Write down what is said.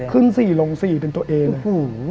ขึ้น๔ลง๔เป็นตัวเองเลย